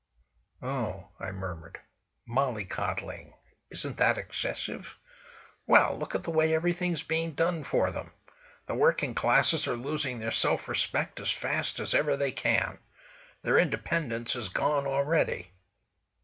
"Oh!" I murmured, "molly coddling? Isn't that excessive?" "Well! Look at the way everything's being done for them! The working classes are losing their self respect as fast as ever they can. Their independence is gone already!"